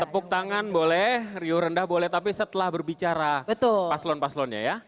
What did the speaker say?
tepuk tangan boleh riuh rendah boleh tapi setelah berbicara paslon paslonnya ya